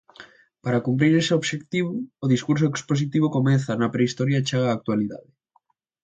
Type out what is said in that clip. Para cumprir ese obxectivo, o discurso expositivo comeza na Prehistoria e chega á actualidade.